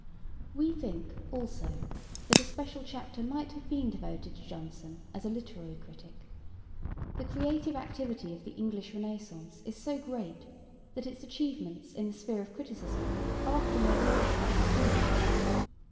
We think, also, that a special chapter might have been devoted to Jonson as a literary critic. The creative activity of the English Renaissance is so great that its achievements in the sphere of criticism are often overlooked by the student.